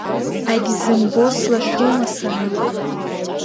Агьзымбо слашәума сара!